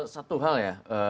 satu hal ya